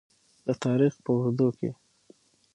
د تاریخ په اوږدو کې.